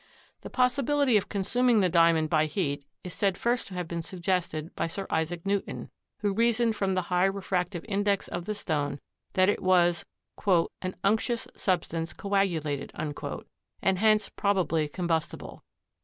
The possibility of consuming the Diamond by heat is said first to have been suggested by Sir Isaac Newton, who reasoned from the high refractive index of the stone that it was "an unctuous substance coagulated," and hence probably combustible.